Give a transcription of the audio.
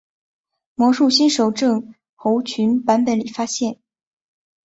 魔术新手症候群版本里发现。